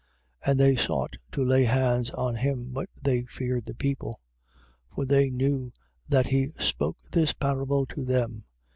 12:12. And they sought to lay hands on him: but they feared the people. For they knew that he spoke this parable to them.